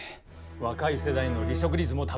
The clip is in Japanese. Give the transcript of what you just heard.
若い世代の離職率も高い。